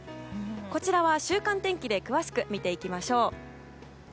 こちらは、週間天気で詳しく見ていきましょう。